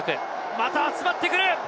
また集まってくる。